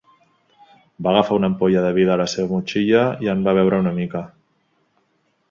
Va agafar una ampolla de vi de la seva motxilla i va en va beure una mica.